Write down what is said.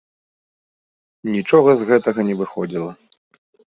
Нічога з гэтага не выходзіла.